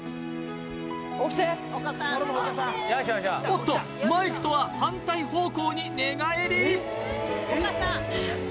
おっとマイクとは反対方向に寝返り！